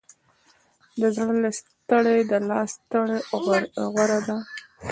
د زړه له ستړې، د لاس ستړې غوره ده.